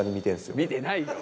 見てないよ。